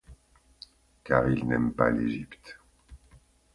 car il n’aime pas l’Égypte.